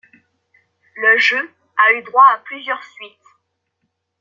Le jeu a eu droit à plusieurs suites.